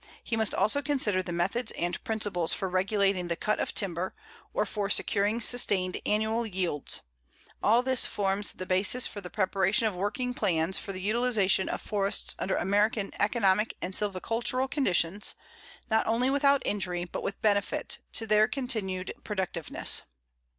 He must also consider the methods and principles for regulating the cut of timber, or for securing sustained annual yields. All this forms the basis for the preparation of working plans for the utilization of forests under American economic and silvicultural conditions, not only without injury, but with benefit, to their continued productiveness.